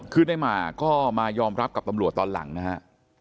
ขึ้นได้มาก็มายอมรับกับตำรวจตอนหลังนะฮะ